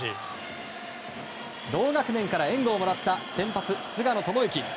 同学年から援護をもらった先発、菅野智之。